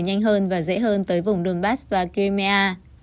nhanh hơn và dễ hơn tới vùng donbass và crimea